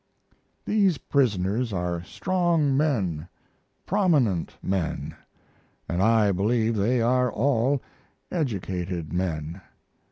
These prisoners are strong men, prominent men, & I believe they are all educated men.